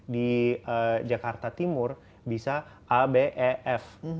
di jakarta timur bisa a b e f